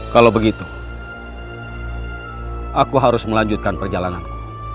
kalau begitu aku harus melanjutkan perjalananmu